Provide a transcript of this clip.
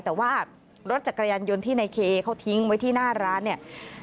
แต่ว่ารถจักรยานยนต์ที่ในเคเขาทิ้งไว้ที่หน้าร้านเนี่ย